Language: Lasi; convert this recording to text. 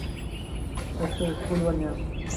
اچو اسڪول ونيا